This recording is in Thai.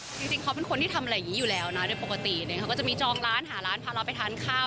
จริงเขาเป็นคนที่ทำอะไรอย่างนี้อยู่แล้วนะโดยปกติเนี่ยเขาก็จะมีจองร้านหาร้านพาเราไปทานข้าว